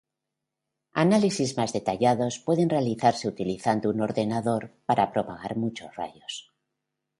Análisis más detallados pueden realizarse utilizando un ordenador para propagar muchos rayos.